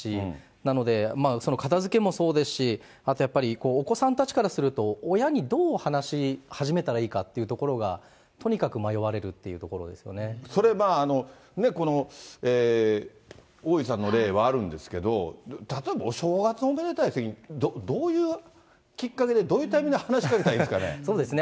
なので、その片づけもそうですし、あとやっぱり、お子さんたちからすると、親にどう話し始めたらいいかっていうところが、とにかくそれ、この大井さんの例はあるんですけど、例えば、お正月のおめでたい席に、どういうきっかけで、どういうタイミングで話しかけたらいいんですかね。